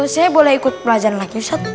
saya mau ikut pelajaran lagi ustaz